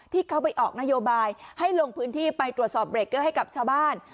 ที่เขาไปออกนโยบายให้ลงพื้นที่ไปตรวจสอบเบรกเกอร์ให้กับชาวบ้าน